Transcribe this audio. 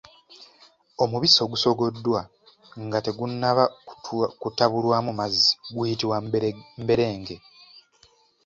Omubisi ogusogoddwa nga tegunnaba kutabulwamu mazzi guyitibwa mberenge.